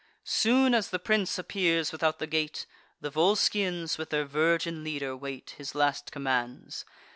Soon as the prince appears without the gate, The Volscians, with their virgin leader, wait His last commands.